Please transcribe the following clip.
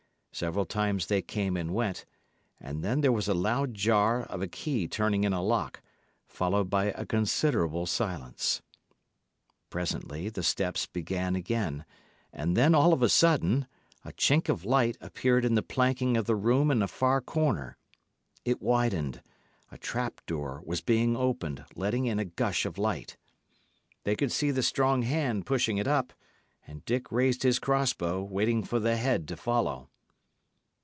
Several times they came and went; and then there was a loud jar of a key turning in a lock, followed by a considerable silence. Presently the steps began again, and then, all of a sudden, a chink of light appeared in the planking of the room in a far corner. It widened; a trap door was being opened, letting in a gush of light. They could see the strong hand pushing it up; and Dick raised his cross bow, waiting for the head to follow.